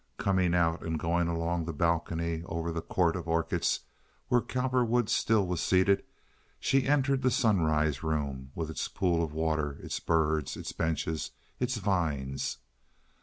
Coming out and going along the balcony over the court of orchids, where Cowperwood still was seated, she entered the sunrise room with its pool of water, its birds, its benches, its vines.